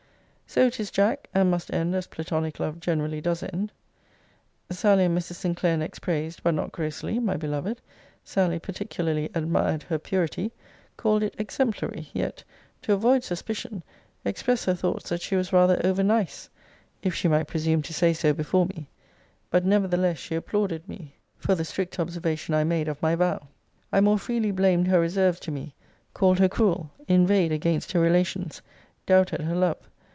So it is, Jack; and must end as platonic love generally does end. 'Sally and Mrs. Sinclair next praised, but not grossly, my beloved. Sally particularly admired her purity; called it exemplary; yet (to avoid suspicion) expressed her thoughts that she was rather over nice, if she might presume to say so before me. But nevertheless she applauded me for the strict observation I made of my vow. 'I more freely blamed her reserves to me; called her cruel; inveighed against her relations; doubted her love.